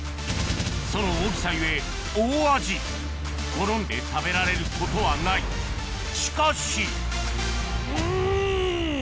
その大きさ故大味好んで食べられることはないしかしん！